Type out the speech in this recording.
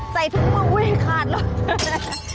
ใส่ถุงมืออุ๊ยขาดแล้ว